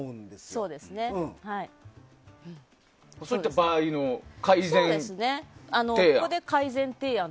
そういった場合の改善提案。